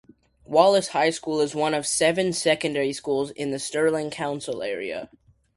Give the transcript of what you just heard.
Wallace High School is one of seven secondary schools in the Stirling Council area.